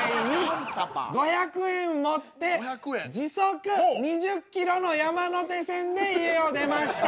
５００円持って時速２０ｋｍの山手線で家を出ました。